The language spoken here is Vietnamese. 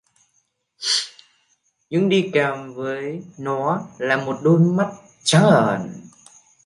Những đi kèm với nó là một đôi mắt trắng ởn